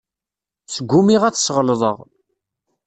Sgumiɣ ad t-ssɣelḍeɣ.